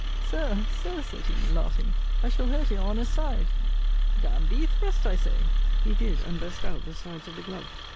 Sir, Sir, said he, laughing, I shall hurt your Honour's side. D n thee, thrust I say. He did; and burst out the sides of the glove.